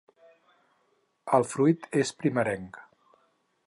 El fruit és primerenc.